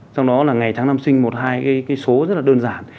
trong đó là ngày tháng năm sinh một hai cái số rất là đơn giản